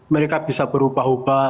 mereka bisa berubah ubah